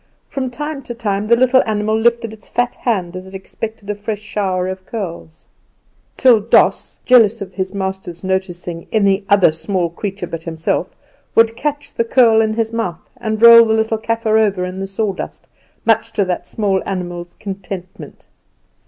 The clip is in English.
From time to time the little animal lifted its fat hand as it expected a fresh shower of curls; till Doss, jealous of his master's noticing any other small creature but himself, would catch the curl in his mouth and roll the little Kaffer over in the sawdust, much to that small animal's contentment.